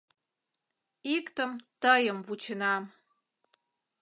Иктым тыйым вученам.